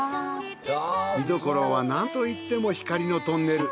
見どころはなんといっても光のトンネル。